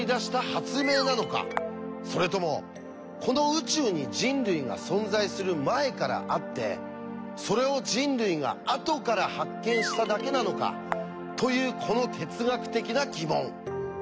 それともこの宇宙に人類が存在する前からあってそれを人類があとから発見しただけなのかというこの哲学的な疑問。